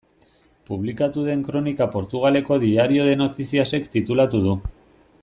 Publikatu den kronika Portugaleko Diario de Noticias-ek titulatu du.